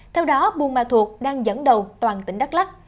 theo đó bumatut đang dẫn đầu toàn tỉnh đắk lắk